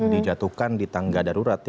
dijatuhkan di tangga darurat